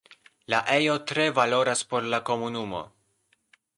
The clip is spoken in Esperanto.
La ejo tre valoras por la komunumo.